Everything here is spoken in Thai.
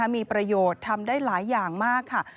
มีประโยชน์ทำได้หลายอย่างมากค่ะ